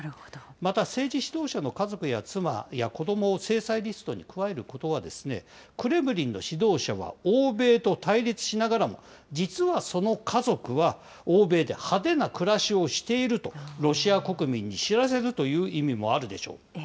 また、政治指導者の家族や妻や子どもを制裁リストに加えることは、クレムリンの指導者は欧米と対立しながらも、実はその家族は欧米で派手な暮らしをしていると、ロシア国民に知らせるという意味もあるでしょう。